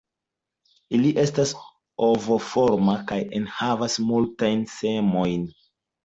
Ili estas ovoformaj kaj enhavas multajn semojn.